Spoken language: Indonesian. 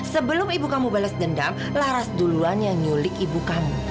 sebelum ibu kamu balas dendam laras duluan yang nyulik ibu kamu